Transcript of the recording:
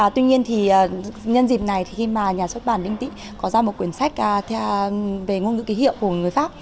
tuy nhiên thì nhân dịp này thì khi mà nhà xuất bản đinh tĩ có ra một quyển sách về ngôn ngữ ký hiệu của người pháp